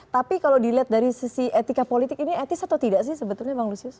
tapi kalau dilihat dari sisi etika politik ini etis atau tidak sih sebetulnya bang lusius